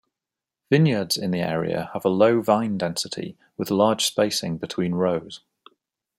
Vineyards in the area have a low vine density with large spacing between rows.